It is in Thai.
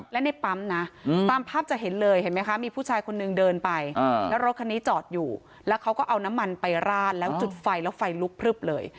และในปั๊มนะตามภาพจะเห็นเลยเห็นไหมคะมีผู้ชายคนนึงเดินไปแล้วรถคันนี้จอดอยู่แล้วเขาก็เอาน้ำมันไปราดแล้วจุดไฟแล้วไฟลุกพลึบเลย